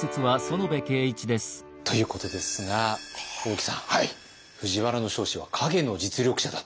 ということですが大木さん藤原彰子は陰の実力者だった。